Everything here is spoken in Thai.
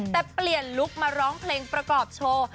แต่เปลี่ยนลุคมาร้องเพลงประกอบโชว์